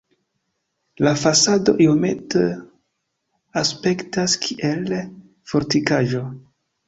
La fasado iomete aspektas kiel fortikaĵo.